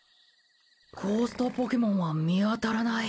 ゴーストポケモンは見当たらない。